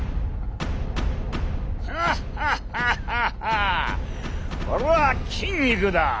「ワッハッハッハッハ俺は筋肉だ！